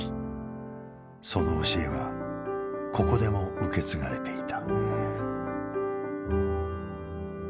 その教えはここでも受け継がれていた。